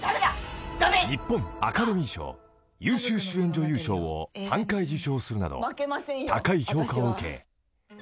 ［日本アカデミー賞優秀主演女優賞を３回受賞するなど高い評価を受け］